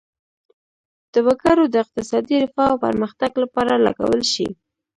د وګړو د اقتصادي رفاه او پرمختګ لپاره لګول شي.